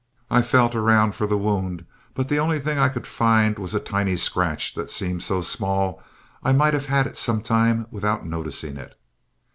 I felt around for the wound, but the only thing I could find, was a tiny scratch that seemed so small I might have had it some time without noticing it.